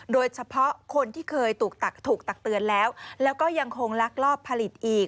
โดยเฉพาะคนที่เคยถูกตักเตือนแล้วแล้วก็ยังคงลักลอบผลิตอีก